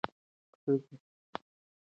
ښځې د کورنۍ په بودیجه کې برخه اخلي.